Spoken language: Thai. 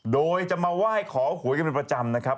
โดยจะมาไหว้ขอหวยกันเป็นประจำนะครับ